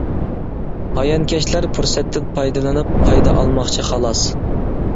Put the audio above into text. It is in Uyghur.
ھايانكەشلەر پۇرسەتتىن پايدىلىنىپ پايدا ئالماقچى خالاس.